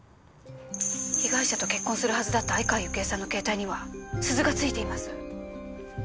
被害者と結婚するはずだった相川雪江さんの携帯には鈴がついています。